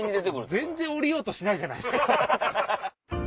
全然降りようとしないじゃないですか。